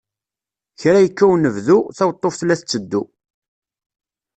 Kra yekka unebdu, taweṭṭuft la tetteddu.